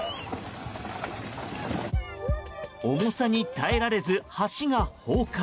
重さに耐えられず、橋が崩壊。